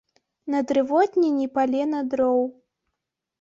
На дрывотні ні палена дроў.